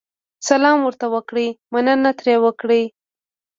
سلام ورته وکړئ، مننه ترې وکړئ.